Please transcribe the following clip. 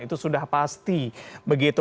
itu sudah pasti begitu